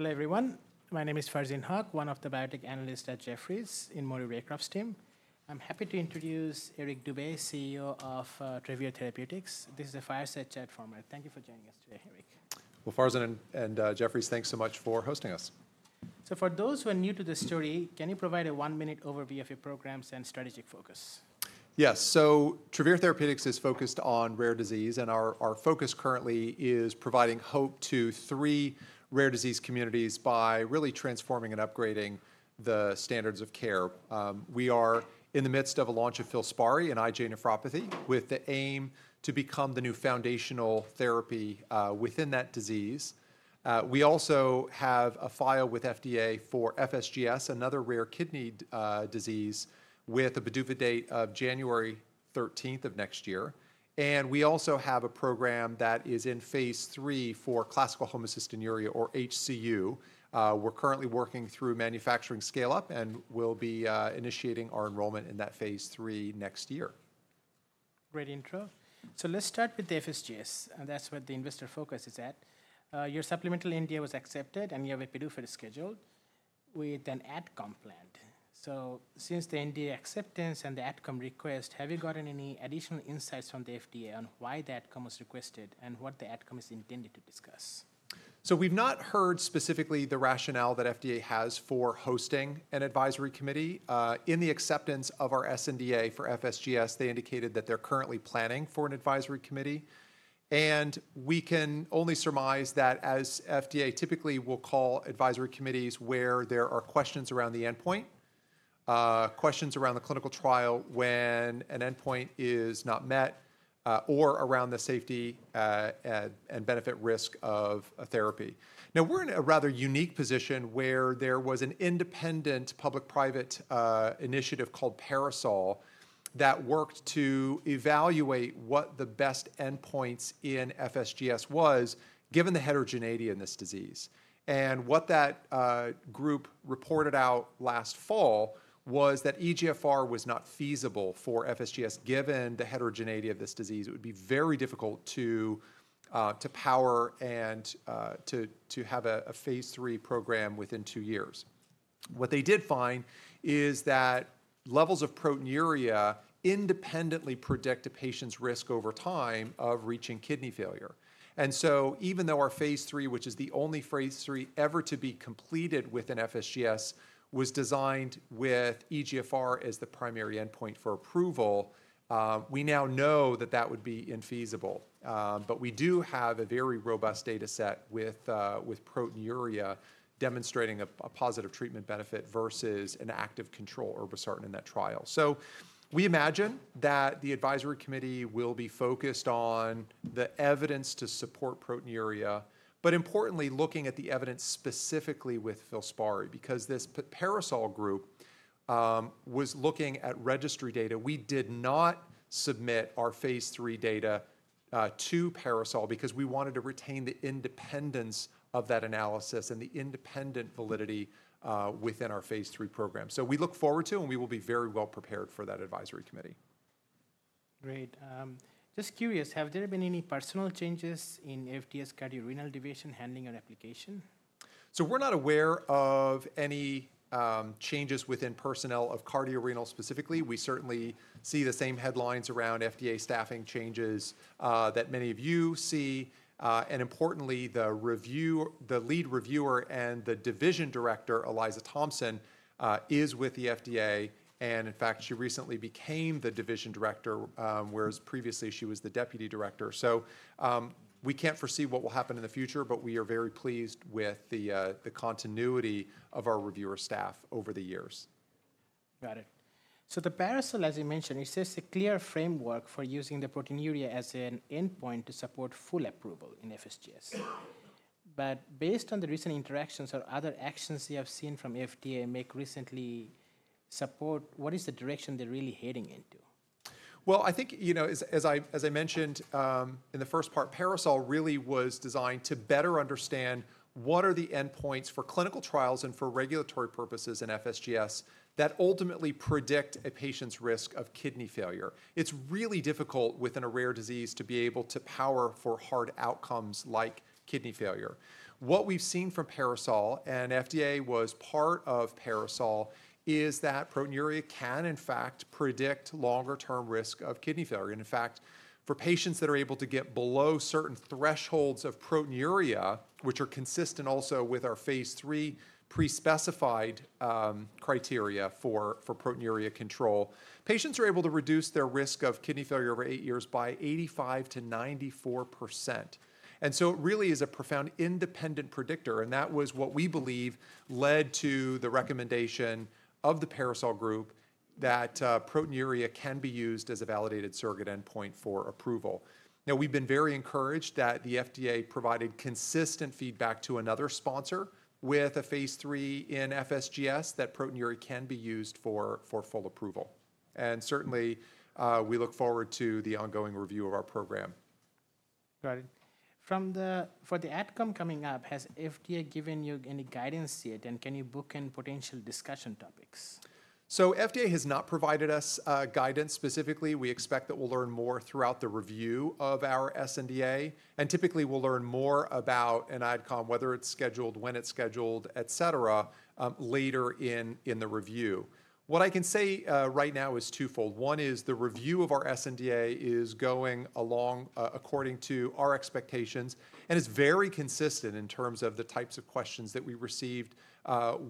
Hello everyone. My name is Farzin Haque, one of the biotech analysts at Maury Raycroft's team. I'm happy to introduce Eric Dube, CEO of Travere Therapeutics. This is a fireside chat format. Thank you for joining us today, Eric. Farzin and Jefferies, thanks so much for hosting us. For those who are new to the story, can you provide a one-minute overview of your programs and strategic focus? Yes. Travere Therapeutics is focused on rare disease, and our focus currently is providing hope to three rare disease communities by really transforming and upgrading the standards of care. We are in the midst of a launch of FILSPARI in IgA nephropathy with the aim to become the new foundational therapy within that disease. We also have a file with FDA for FSGS, another rare kidney disease, with a PDUFA date of January 13th of next year. We also have a program that is in phase 3 for classical homocystinuria, or HCU. We're currently working through manufacturing scale-up and will be initiating our enrollment in that phase three next year. Great intro. Let's start with the FSGS, and that's what the investor focus is at. Your supplemental NDA was accepted, and you have a big update scheduled with an adcom planned. Since the NDA acceptance and the adcom request, have you gotten any additional insights from the FDA on why the adcom was requested and what the adcom is intended to discuss? We have not heard specifically the rationale that FDA has for hosting an advisory committee. In the acceptance of our SNDA for FSGS, they indicated that they are currently planning for an advisory committee. We can only surmise that as FDA typically will call advisory committees where there are questions around the endpoint, questions around the clinical trial when an endpoint is not met, or around the safety and benefit risk of a therapy. Now, we are in a rather unique position where there was an independent public-private initiative called PARASOL that worked to evaluate what the best endpoints in FSGS was, given the heterogeneity in this disease. What that group reported out last fall was that eGFR was not feasible for FSGS given the heterogeneity of this disease. It would be very difficult to power and to have a phase three program within two years. What they did find is that levels of proteinuria independently predict a patient's risk over time of reaching kidney failure. Even though our phase three, which is the only phase three ever to be completed with an FSGS, was designed with eGFR as the primary endpoint for approval, we now know that that would be infeasible. We do have a very robust data set with proteinuria demonstrating a positive treatment benefit versus an active control, irbesartan, in that trial. We imagine that the advisory committee will be focused on the evidence to support proteinuria, but importantly, looking at the evidence specifically with FILSPARI, because this PARASOL group was looking at registry data. We did not submit our phase three data to PARASOL because we wanted to retain the independence of that analysis and the independent validity within our phase three program. We look forward to, and we will be very well prepared for that advisory committee. Great. Just curious, have there been any personal changes in FDA's cardiorenal division handling your application? We're not aware of any changes within personnel of cardiorenal specifically. We certainly see the same headlines around FDA staffing changes that many of you see. Importantly, the lead reviewer and the Division Director, Aliza Thompson, is with the FDA. In fact, she recently became the Division Director, whereas previously she was the Deputy Director. We can't foresee what will happen in the future, but we are very pleased with the continuity of our reviewer staff over the years. Got it. The PARASOL, as you mentioned, it's just a clear framework for using the proteinuria as an endpoint to support full approval in FSGS. Based on the recent interactions or other actions you have seen from FDA make recently support, what is the direction they're really heading into? I think, you know, as I mentioned in the first part, PARASOL really was designed to better understand what are the endpoints for clinical trials and for regulatory purposes in FSGS that ultimately predict a patient's risk of kidney failure. It's really difficult within a rare disease to be able to power for hard outcomes like kidney failure. What we've seen from PARASOL and FDA was part of PARASOL is that proteinuria can in fact predict longer-term risk of kidney failure. In fact, for patients that are able to get below certain thresholds of proteinuria, which are consistent also with our phase three pre-specified criteria for proteinuria control, patients are able to reduce their risk of kidney failure over eight years by 85%-94%. It really is a profound independent predictor. That was what we believe led to the recommendation of the PARASOL group that proteinuria can be used as a validated surrogate endpoint for approval. We have been very encouraged that the FDA provided consistent feedback to another sponsor with a phase three in FSGS that proteinuria can be used for full approval. Certainly, we look forward to the ongoing review of our program. Got it. For the adcom coming up, has FDA given you any guidance yet, and can you book in potential discussion topics? FDA has not provided us guidance specifically. We expect that we'll learn more throughout the review of our SNDA. Typically, we'll learn more about an adcom, whether it's scheduled, when it's scheduled, et cetera, later in the review. What I can say right now is twofold. One is the review of our SNDA is going along according to our expectations, and it's very consistent in terms of the types of questions that we received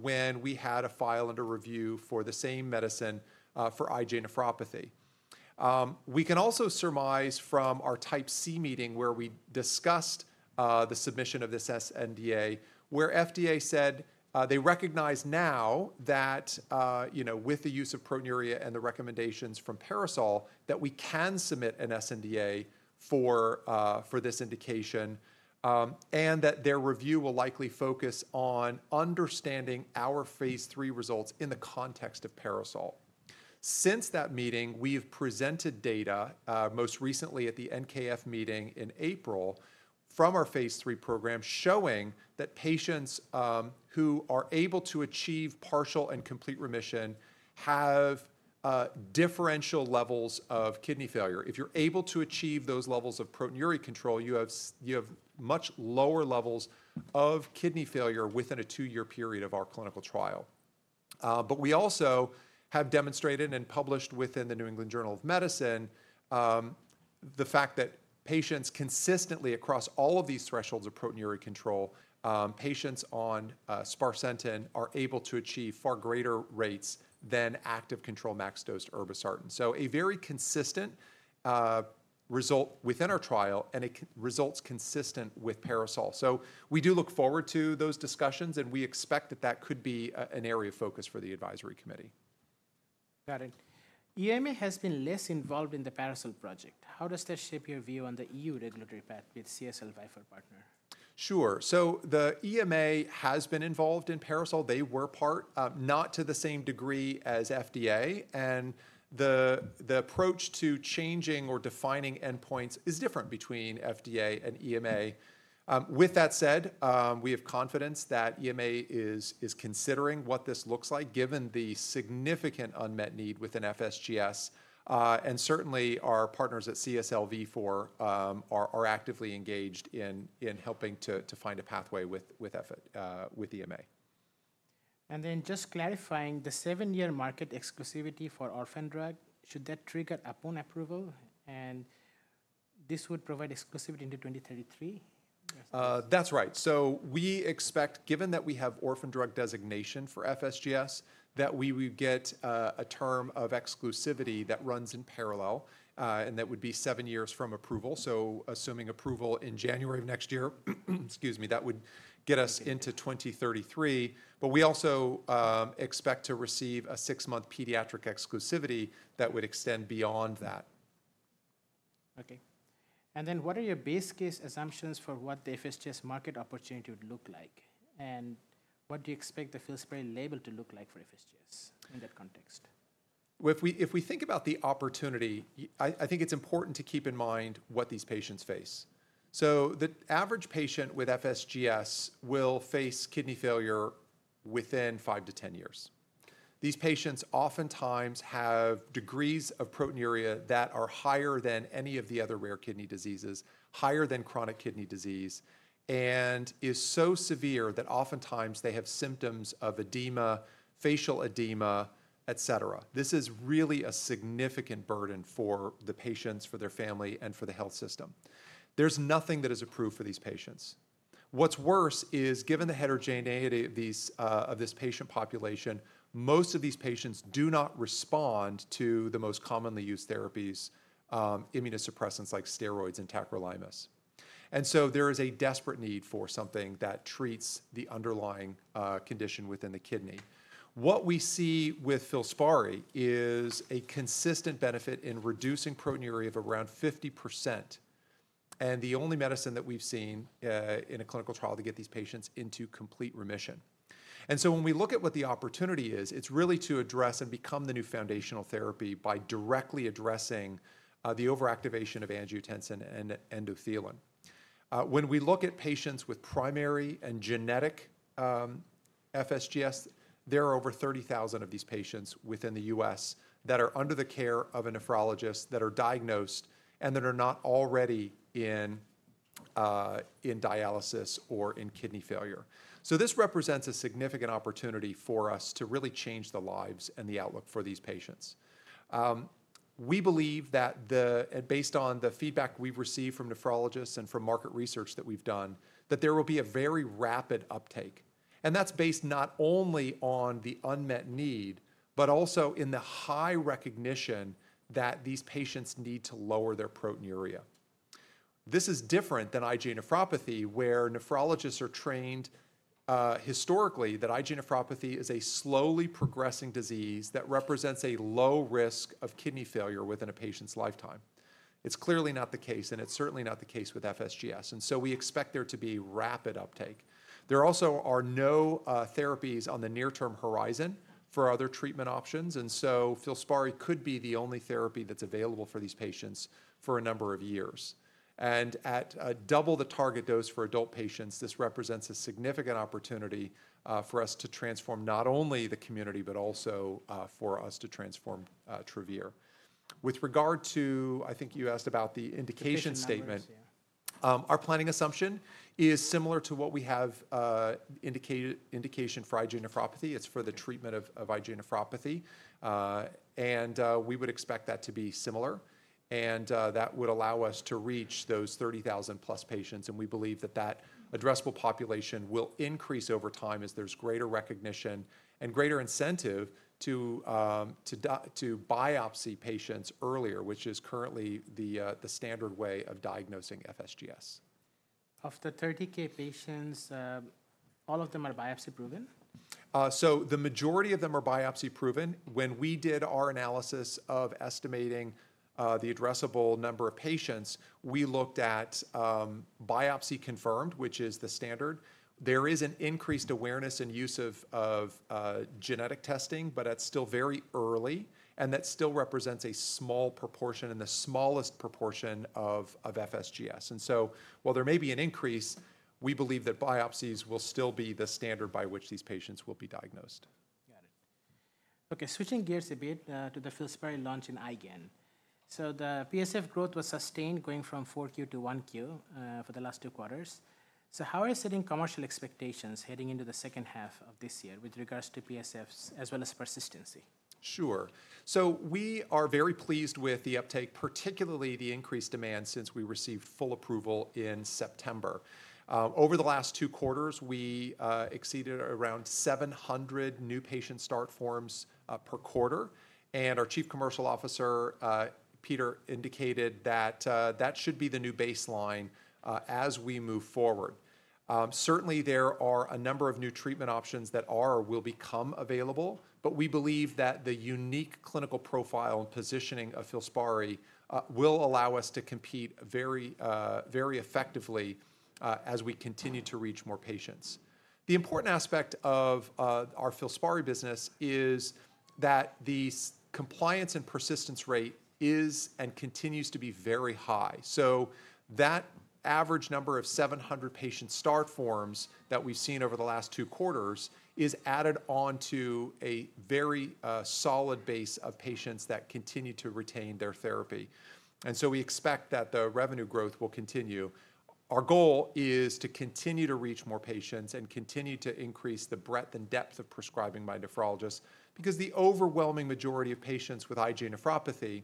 when we had a file under review for the same medicine for IgA nephropathy. We can also surmise from our type C meeting where we discussed the submission of this SNDA, where FDA said they recognize now that, you know, with the use of proteinuria and the recommendations from PARASOL, that we can submit an SNDA for this indication, and that their review will likely focus on understanding our phase three results in the context of PARASOL. Since that meeting, we have presented data, most recently at the NKF meeting in April, from our phase three program showing that patients who are able to achieve partial and complete remission have differential levels of kidney failure. If you're able to achieve those levels of proteinuria control, you have much lower levels of kidney failure within a two-year period of our clinical trial. We also have demonstrated and published within the New England Journal of Medicine the fact that patients consistently across all of these thresholds of proteinuria control, patients on sparsentan are able to achieve far greater rates than active control max dose irbesartan. A very consistent result within our trial and results consistent with PARASOL. We do look forward to those discussions, and we expect that that could be an area of focus for the advisory committee. Got it. EMA has been less involved in the PARASOL project. How does that shape your view on the EU regulatory path with CSL Vifor partner? Sure. The EMA has been involved in PARASOL. They were part, not to the same degree as FDA. The approach to changing or defining endpoints is different between FDA and EMA. With that said, we have confidence that EMA is considering what this looks like, given the significant unmet need within FSGS. Certainly, our partners at CSL Vifor are actively engaged in helping to find a pathway with EMA. Just clarifying, the seven-year market exclusivity for orphan drug, should that trigger upon approval, and this would provide exclusivity into 2033? That's right. We expect, given that we have orphan drug designation for FSGS, that we would get a term of exclusivity that runs in parallel, and that would be seven years from approval. Assuming approval in January of next year, excuse me, that would get us into 2033. We also expect to receive a six-month pediatric exclusivity that would extend beyond that. Okay. What are your base case assumptions for what the FSGS market opportunity would look like? What do you expect the FILSPARI label to look like for FSGS in that context? If we think about the opportunity, I think it's important to keep in mind what these patients face. The average patient with FSGS will face kidney failure within five to ten years. These patients oftentimes have degrees of proteinuria that are higher than any of the other rare kidney diseases, higher than chronic kidney disease, and is so severe that oftentimes they have symptoms of edema, facial edema, et cetera. This is really a significant burden for the patients, for their family, and for the health system. There's nothing that is approved for these patients. What's worse is, given the heterogeneity of this patient population, most of these patients do not respond to the most commonly used therapies, immunosuppressants like steroids and tacrolimus. There is a desperate need for something that treats the underlying condition within the kidney. What we see with FILSPARI is a consistent benefit in reducing proteinuria of around 50%, and the only medicine that we've seen in a clinical trial to get these patients into complete remission. When we look at what the opportunity is, it's really to address and become the new foundational therapy by directly addressing the overactivation of angiotensin and endothelin. When we look at patients with primary and genetic FSGS, there are over 30,000 of these patients within the U.S. that are under the care of a nephrologist that are diagnosed and that are not already in dialysis or in kidney failure. This represents a significant opportunity for us to really change the lives and the outlook for these patients. We believe that, based on the feedback we've received from nephrologists and from market research that we've done, there will be a very rapid uptake. That is based not only on the unmet need, but also in the high recognition that these patients need to lower their proteinuria. This is different than IgA nephropathy, where nephrologists are trained historically that IgA nephropathy is a slowly progressing disease that represents a low risk of kidney failure within a patient's lifetime. It is clearly not the case, and it is certainly not the case with FSGS. We expect there to be rapid uptake. There also are no therapies on the near-term horizon for other treatment options. FILSPARI could be the only therapy that is available for these patients for a number of years. At double the target dose for adult patients, this represents a significant opportunity for us to transform not only the community, but also for us to transform Travere. With regard to, I think you asked about the indication statement, our planning assumption is similar to what we have indicated for IgA nephropathy. It's for the treatment of IgA nephropathy. We would expect that to be similar. That would allow us to reach those 30,000 plus patients. We believe that that addressable population will increase over time as there's greater recognition and greater incentive to biopsy patients earlier, which is currently the standard way of diagnosing FSGS. Of the 30,000 patients, all of them are biopsy-proven? The majority of them are biopsy-proven. When we did our analysis of estimating the addressable number of patients, we looked at biopsy confirmed, which is the standard. There is an increased awareness and use of genetic testing, but that's still very early, and that still represents a small proportion and the smallest proportion of FSGS. While there may be an increase, we believe that biopsies will still be the standard by which these patients will be diagnosed. Got it. Okay, switching gears a bit to the FILSPARI launch in IgA. The PSF growth was sustained going from Q4-Q1 for the last two quarters. How are you setting commercial expectations heading into the second half of this year with regards to PSFs as well as persistency? Sure. We are very pleased with the uptake, particularly the increased demand since we received full approval in September. Over the last two quarters, we exceeded around 700 new patient start forms per quarter. Our Chief Commercial Officer, Peter, indicated that that should be the new baseline as we move forward. Certainly, there are a number of new treatment options that are or will become available, but we believe that the unique clinical profile and positioning of FILSPARI will allow us to compete very effectively as we continue to reach more patients. The important aspect of our FILSPARI business is that the compliance and persistence rate is and continues to be very high. That average number of 700 patient start forms that we've seen over the last two quarters is added on to a very solid base of patients that continue to retain their therapy. We expect that the revenue growth will continue. Our goal is to continue to reach more patients and continue to increase the breadth and depth of prescribing by nephrologists because the overwhelming majority of patients with IgA nephropathy,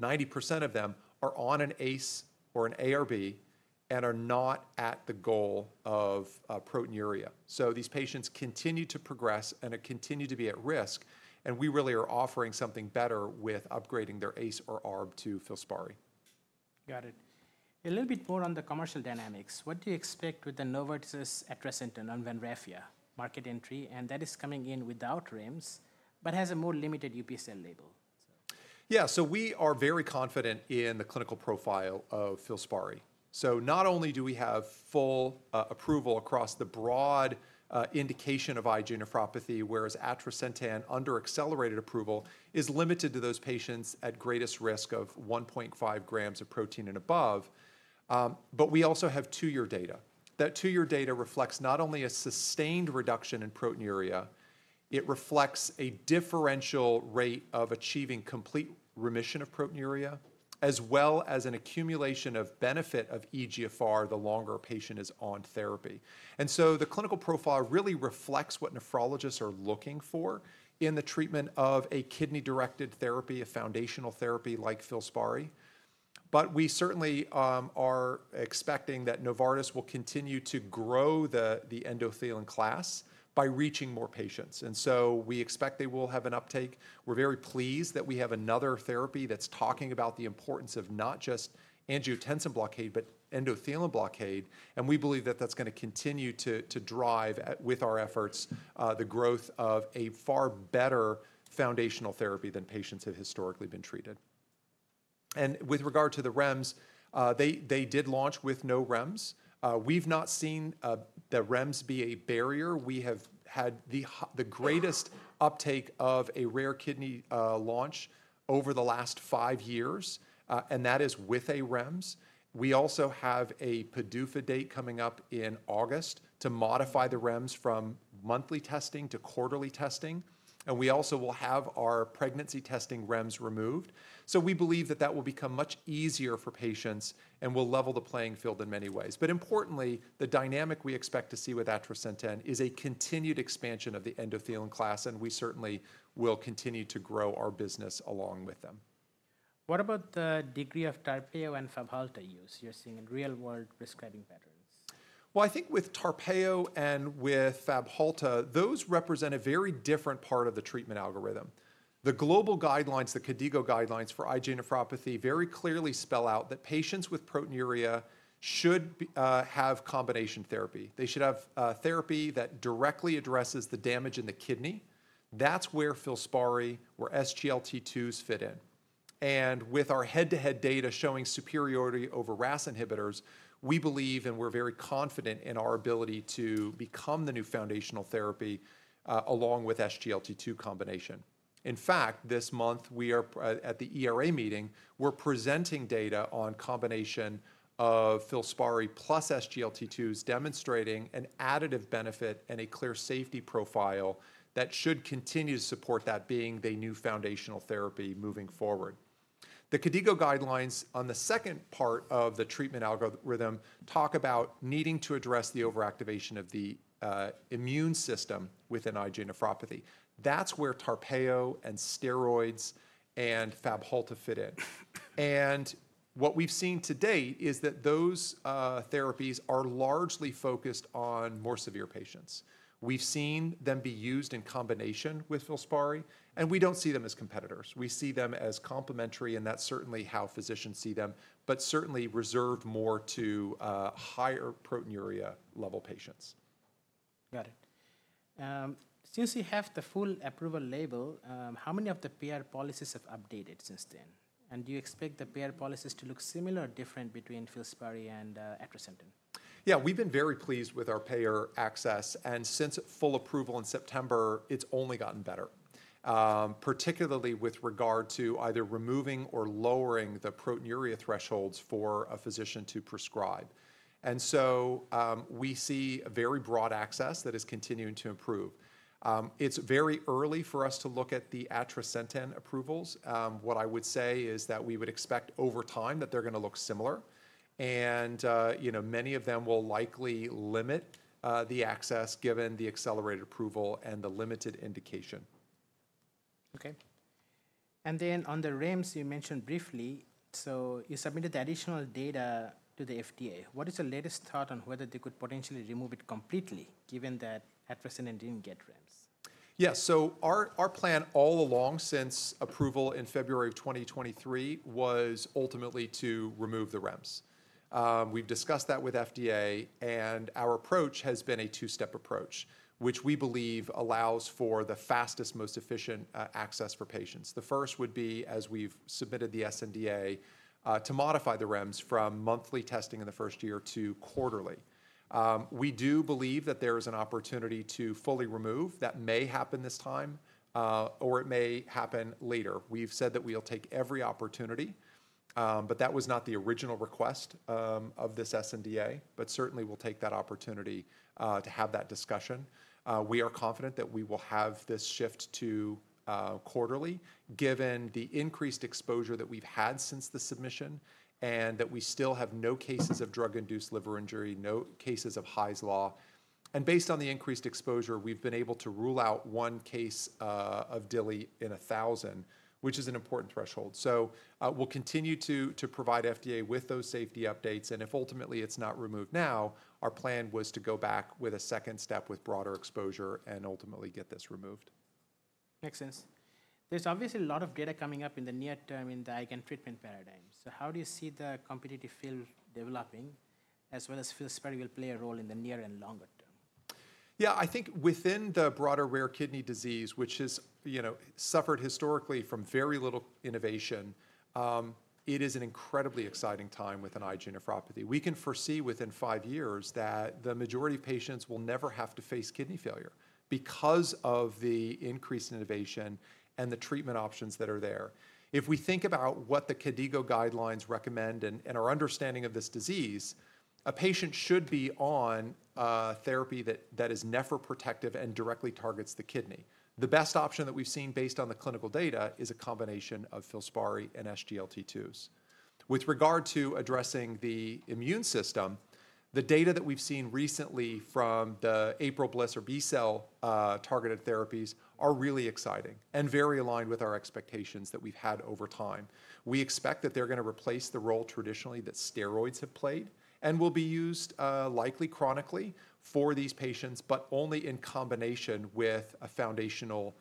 90% of them are on an ACE or an ARB and are not at the goal of proteinuria. These patients continue to progress and continue to be at risk. We really are offering something better with upgrading their ACE or ARB to FILSPARI. Got it. A little bit more on the commercial dynamics. What do you expect with the Novartis atrasentan and Vanrafia market entry? That is coming in without REMS, but has a more limited UPCL label. Yeah, so we are very confident in the clinical profile of FILSPARI. Not only do we have full approval across the broad indication of IgA nephropathy, whereas atrasentan under accelerated approval is limited to those patients at greatest risk of 1.5 grams of protein and above, we also have two-year data. That two-year data reflects not only a sustained reduction in proteinuria, it reflects a differential rate of achieving complete remission of proteinuria, as well as an accumulation of benefit of eGFR the longer a patient is on therapy. The clinical profile really reflects what nephrologists are looking for in the treatment of a kidney-directed therapy, a foundational therapy like FILSPARI. We certainly are expecting that Novartis will continue to grow the endothelin class by reaching more patients. We expect they will have an uptake. We're very pleased that we have another therapy that's talking about the importance of not just angiotensin blockade, but endothelin blockade. We believe that that's going to continue to drive with our efforts the growth of a far better foundational therapy than patients have historically been treated. With regard to the REMS, they did launch with no REMS. We've not seen the REMS be a barrier. We have had the greatest uptake of a rare kidney launch over the last five years, and that is with a REMS. We also have a PDUFA date coming up in August to modify the REMS from monthly testing to quarterly testing. We also will have our pregnancy testing REMS removed. We believe that that will become much easier for patients and will level the playing field in many ways. Importantly, the dynamic we expect to see with atrasentan is a continued expansion of the endothelin class, and we certainly will continue to grow our business along with them. What about the degree of Tarpeyo and Fabhalta use you're seeing in real-world prescribing pattern? I think with Tarpeyo and with Fabhalta, those represent a very different part of the treatment algorithm. The global guidelines, the KDIGO guidelines for IgA nephropathy, very clearly spell out that patients with proteinuria should have combination therapy. They should have therapy that directly addresses the damage in the kidney. That is where FILSPARI, where SGLT2s fit in. With our head-to-head data showing superiority over RAS inhibitors, we believe, and we are very confident in our ability to become the new foundational therapy along with SGLT2 combination. In fact, this month, at the ERA meeting, we are presenting data on combination of FILSPARI plus SGLT2s demonstrating an additive benefit and a clear safety profile that should continue to support that being the new foundational therapy moving forward. The KDIGO guidelines on the second part of the treatment algorithm talk about needing to address the overactivation of the immune system within IgA nephropathy. That's where Tarpeyo and steroids and Fabhalta fit in. What we've seen to date is that those therapies are largely focused on more severe patients. We've seen them be used in combination with FILSPARI, and we don't see them as competitors. We see them as complementary, and that's certainly how physicians see them, but certainly reserved more to higher proteinuria level patients. Got it. Since you have the full approval label, how many of the payer policies have updated since then? Do you expect the payer policies to look similar or different between FILSPARI and atrasentan? Yeah, we've been very pleased with our payer access. Since full approval in September, it's only gotten better, particularly with regard to either removing or lowering the proteinuria thresholds for a physician to prescribe. We see a very broad access that is continuing to improve. It's very early for us to look at the atrasentan approvals. What I would say is that we would expect over time that they're going to look similar. Many of them will likely limit the access given the accelerated approval and the limited indication. Okay. On the REMS, you mentioned briefly, you submitted the additional data to the FDA. What is your latest thought on whether they could potentially remove it completely given that atrasentan did not get REMS? Yeah, so our plan all along since approval in February 2023 was ultimately to remove the REMS. We've discussed that with FDA, and our approach has been a two-step approach, which we believe allows for the fastest, most efficient access for patients. The first would be, as we've submitted the SNDA, to modify the REMS from monthly testing in the first year to quarterly. We do believe that there is an opportunity to fully remove. That may happen this time, or it may happen later. We've said that we'll take every opportunity, but that was not the original request of this SNDA, but certainly we'll take that opportunity to have that discussion. We are confident that we will have this shift to quarterly given the increased exposure that we've had since the submission and that we still have no cases of drug-induced liver injury, no cases of DILI. Based on the increased exposure, we've been able to rule out one case of DILI in 1,000, which is an important threshold. We will continue to provide FDA with those safety updates. If ultimately it's not removed now, our plan was to go back with a second step with broader exposure and ultimately get this removed. Makes sense. There's obviously a lot of data coming up in the near term in the IgA treatment paradigm. How do you see the competitive field developing as well as FILSPARI will play a role in the near and longer term? Yeah, I think within the broader rare kidney disease, which has suffered historically from very little innovation, it is an incredibly exciting time with an IgA nephropathy. We can foresee within five years that the majority of patients will never have to face kidney failure because of the increased innovation and the treatment options that are there. If we think about what the KDIGO guidelines recommend and our understanding of this disease, a patient should be on therapy that is nephroprotective and directly targets the kidney. The best option that we've seen based on the clinical data is a combination of FILSPARI and SGLT2s. With regard to addressing the immune system, the data that we've seen recently from the April/BLyS or B-cell targeted therapies are really exciting and very aligned with our expectations that we've had over time. We expect that they're going to replace the role traditionally that steroids have played and will be used likely chronically for these patients, but only in combination with a foundational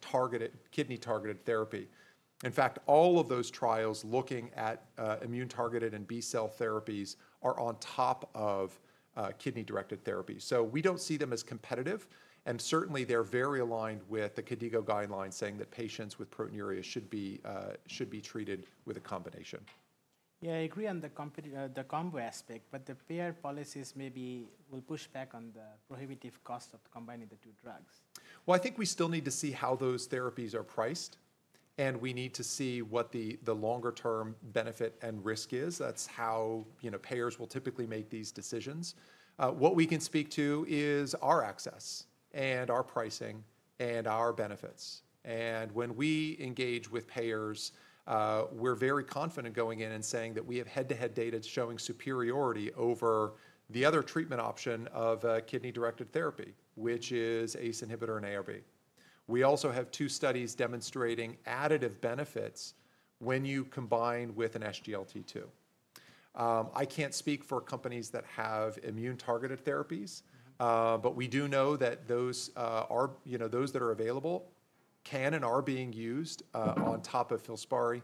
targeted kidney-targeted therapy. In fact, all of those trials looking at immune-targeted and B-cell therapies are on top of kidney-directed therapies. We do not see them as competitive. They are very aligned with the KDIGO guidelines saying that patients with proteinuria should be treated with a combination. Yeah, I agree on the combo aspect, but the payer policies maybe will push back on the prohibitive cost of combining the two drugs. I think we still need to see how those therapies are priced, and we need to see what the longer-term benefit and risk is. That's how payers will typically make these decisions. What we can speak to is our access and our pricing and our benefits. When we engage with payers, we're very confident going in and saying that we have head-to-head data showing superiority over the other treatment option of a kidney-directed therapy, which is ACE inhibitor and ARB. We also have two studies demonstrating additive benefits when you combine with an SGLT2. I can't speak for companies that have immune-targeted therapies, but we do know that those that are available can and are being used on top of FILSPARI,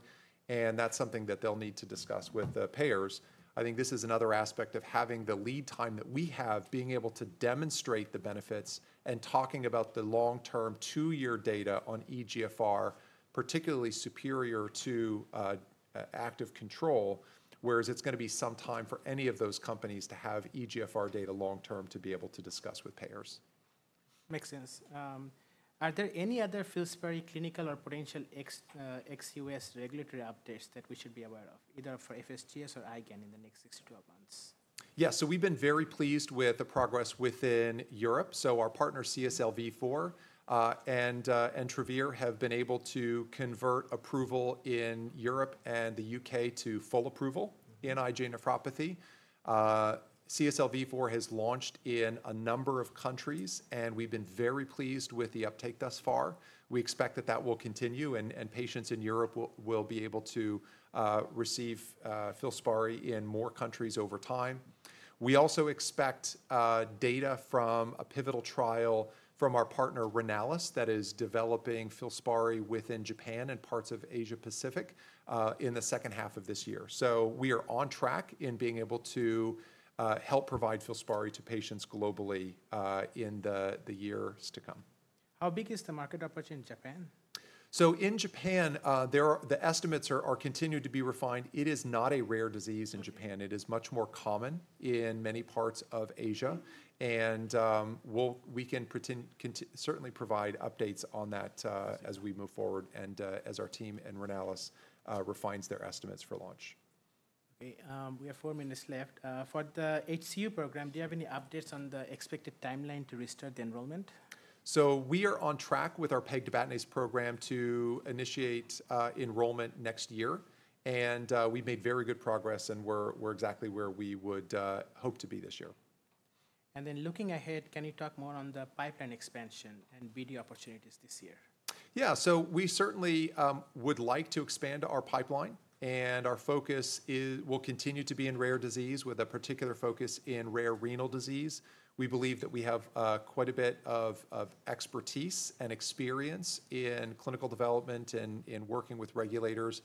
and that's something that they'll need to discuss with the payers. I think this is another aspect of having the lead time that we have, being able to demonstrate the benefits and talking about the long-term two-year data on eGFR, particularly superior to active control, whereas it's going to be some time for any of those companies to have eGFR data long-term to be able to discuss with payers. Makes sense. Are there any other FILSPARI clinical or potential ex-U.S. regulatory updates that we should be aware of, either for FSGS or IgA in the next 6-12 months? Yeah, so we've been very pleased with the progress within Europe. Our partner CSL Vifor and Travere have been able to convert approval in Europe and the U.K. to full approval in IgA nephropathy. CSL Vifor has launched in a number of countries, and we've been very pleased with the uptake thus far. We expect that that will continue, and patients in Europe will be able to receive FILSPARI in more countries over time. We also expect data from a pivotal trial from our partner Renalys that is developing FILSPARI within Japan and parts of Asia-Pacific in the second half of this year. We are on track in being able to help provide FILSPARI to patients globally in the years to come. How big is the market opportunity in Japan? In Japan, the estimates are continuing to be refined. It is not a rare disease in Japan. It is much more common in many parts of Asia. We can certainly provide updates on that as we move forward and as our team and Renalys refines their estimates for launch. We have four minutes left. For the HCU program, do you have any updates on the expected timeline to restart the enrollment? We are on track with our pegtibatinase program to initiate enrollment next year. We have made very good progress, and we are exactly where we would hope to be this year. Looking ahead, can you talk more on the pipeline expansion and BD opportunities this year? Yeah, so we certainly would like to expand our pipeline, and our focus will continue to be in rare disease with a particular focus in rare renal disease. We believe that we have quite a bit of expertise and experience in clinical development and in working with regulators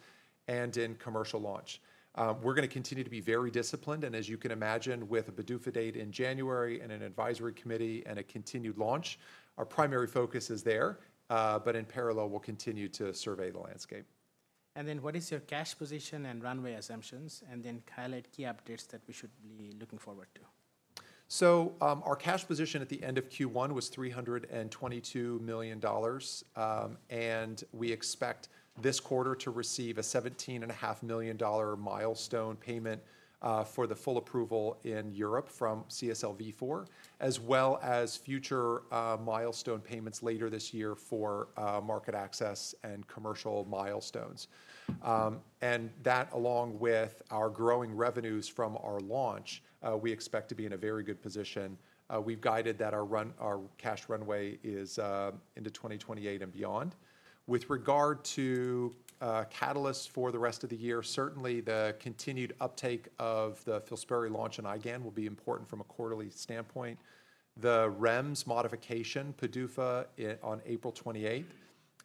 and in commercial launch. We're going to continue to be very disciplined. As you can imagine, with a PDUFA date in January and an advisory committee and a continued launch, our primary focus is there, but in parallel, we'll continue to survey the landscape. What is your cash position and runway assumptions? Kyle, key updates that we should be looking forward to. Our cash position at the end of Q1 was $322 million, and we expect this quarter to receive a $17.5 million milestone payment for the full approval in Europe from CSL Vifor, as well as future milestone payments later this year for market access and commercial milestones. That, along with our growing revenues from our launch, we expect to be in a very good position. We've guided that our cash runway is into 2028 and beyond. With regard to catalysts for the rest of the year, certainly the continued uptake of the FILSPARI launch and IgA Nephropathy will be important from a quarterly standpoint. The REMS modification, PDUFA on April 28,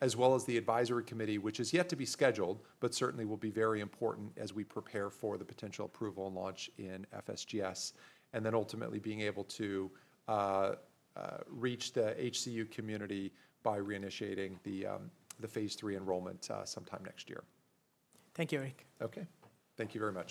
as well as the advisory committee, which is yet to be scheduled, but certainly will be very important as we prepare for the potential approval and launch in FSGS, and then ultimately being able to reach the HCU community by reinitiating the phase three enrollment sometime next year. Thank you, Eric. Okay. Thank you very much.